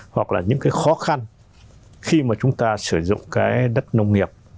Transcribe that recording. hoặc là những cái khó khăn khi mà chúng ta sử dụng cái đất nông nghiệp